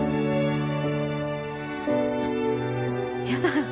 やだ